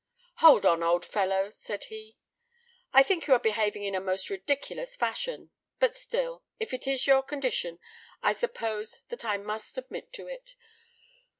"Hold on, old fellow," said he; "I think you are behaving in a most ridiculous fashion; but still; if this is your condition, I suppose that I must submit to it.